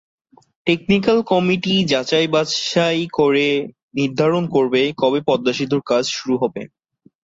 Technical committee যাচাই-বাছাই করে নির্ধারণ করবে, কবে পদ্মা সেতুর কাজ শুরু হবে।